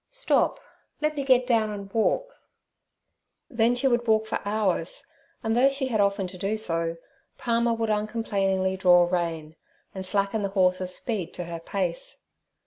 'Stop; let me get down and walk.' Then she would walk for hours, and though she had often to do so, Palmer would uncomplainingly draw rein, and slacken the horses' speed to her pace.